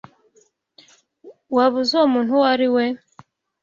Waba uzi uwo muntu uwo ari we?